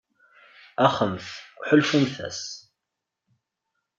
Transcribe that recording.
Axemt, ḥulfumt-as.